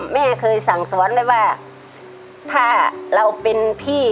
แม่เคยสั่งสอนได้ว่าถ้าเราเป็นพี่